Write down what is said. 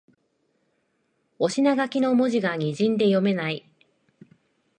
お品書きの文字がにじんで読めない